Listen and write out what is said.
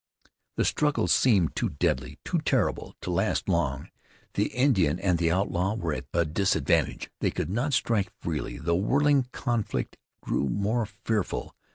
The struggle seemed too deadly, too terrible, to last long. The Indian and the outlaw were at a disadvantage. They could not strike freely. The whirling conflict grew more fearful.